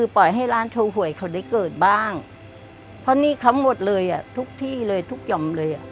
เพราะนี่เขาหมดเลยทุกที่เลยทุกยอมเลย